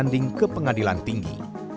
banding ke pengadilan tinggi